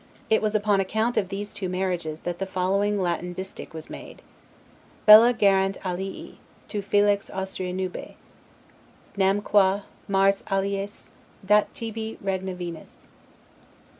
It was upon account of these two marriages, that the following Latin distich was made: Bella gerant alii, Tu felix Austria nube; Nam qua, Mars aliis; dat tibi regna Venus.